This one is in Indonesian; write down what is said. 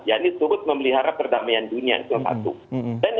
yang ini turut memelihara perdamaian dunia itu yang satu